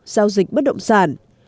giao dịch bất động sản